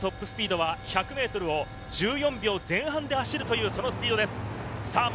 ６区のトップスピードは１００ｍを１４秒前半で走るというそのスピードです。